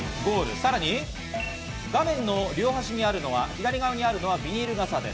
さらに画面の両端にあるのは左側にあるのはビニール傘です。